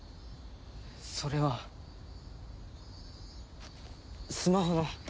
それはスマホの。